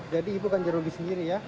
jadi ibu kan jerogi sendiri ya